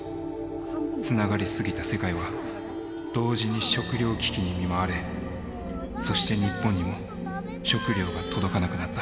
つながり過ぎた世界は同時に食料危機に見舞われそして日本にも食料が届かなくなった。